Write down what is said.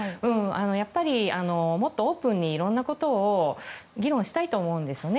やっぱりもっとオープンにいろんなことを議論したいと思うんですよね